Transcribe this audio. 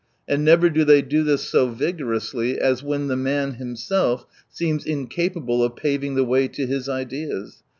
And never do they do this so vigorously as when the man himself seems incapable of paving the way to his ideas